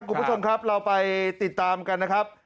คุณผู้ชมครับเราไปติดตามกันนะครับ